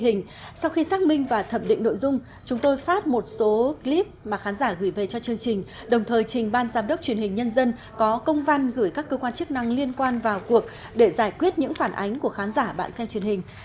truyền hình sau khi xác minh và thẩm định nội dung chúng tôi phát một số clip mà khán giả gửi về cho chương trình đồng thời trình ban giám đốc truyền hình nhân dân có công văn gửi các cơ quan chức năng liên quan vào cuộc để giải quyết những phản ánh của khán giả bạn xem truyền hình